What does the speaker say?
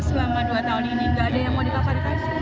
selama dua tahun ini gak ada yang mau dikawalitasin